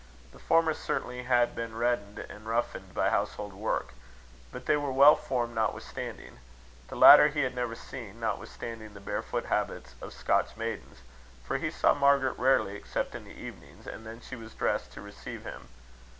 The former certainly had been reddened and roughened by household work: but they were well formed notwithstanding. The latter he had never seen, notwithstanding the bare foot habits of Scotch maidens; for he saw Margaret rarely except in the evenings, and then she was dressed to receive him.